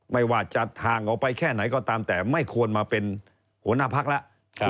ไม่ว่าจะห่างออกไปแค่ไหนก็ตามแต่ไม่ควรมาเป็นหัวหน้าพักแล้ว